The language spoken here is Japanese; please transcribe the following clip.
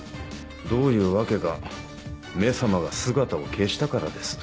どういうわけか「め様」が姿を消したからです。